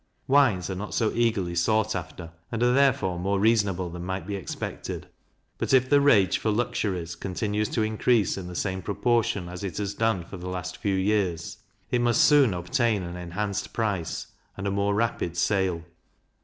Wines are not so eagerly sought after, and are therefore more reasonable than might be expected; but if the rage for luxuries continues to increase in the same proportion as it has done for the last few years, it must soon obtain an enhanced price, and a more rapid sale.